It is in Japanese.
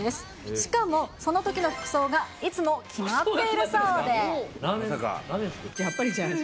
しかも、そのときの服装がいつも決まってやっぱりジャージ。